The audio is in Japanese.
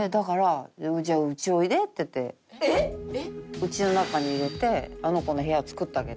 ウチの中に入れてあの子の部屋作ってあげて。